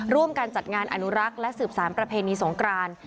ร่วมกันจัดงานอนุรักษ์และสืบสารประเพณีสงคราน